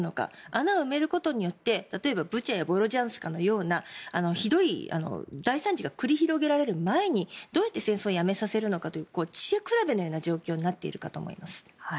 穴を埋めることによって例えばブチャやボロジャンスカのようなひどい大惨事が繰り広げられる前にどうやって戦争をやめさせるのかという知恵比べの状況になっているかと思います。